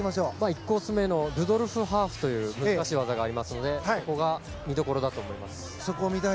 １コース目のルドルフハーフという難しい技が見どころだと思います。